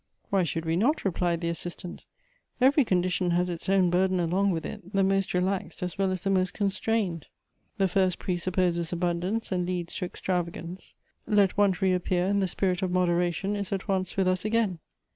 " Why should we not ?" replied the Assistant. " Every condition has its own burden along with it, the most relaxed as well as the most constrained. The first pre 230 Goethe's supposes abundance, and leads to extravagance. Let want re appear, and the spirit of moderation is at once with us again.